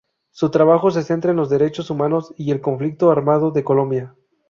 Su trabajo se centra en los derechos humanos y el conflicto armado de Colombia.